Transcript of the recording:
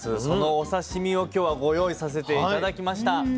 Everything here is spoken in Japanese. そのお刺身を今日はご用意させて頂きました。